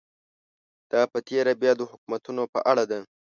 دا په تېره بیا د حکومتونو په اړه ده.